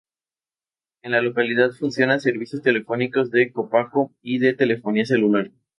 En la localidad funcionan servicios telefónicos de Copaco y de telefonía celular.